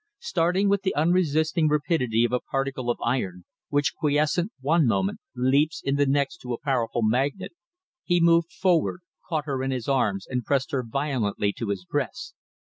Starting with the unresisting rapidity of a particle of iron which, quiescent one moment, leaps in the next to a powerful magnet he moved forward, caught her in his arms and pressed her violently to his breast.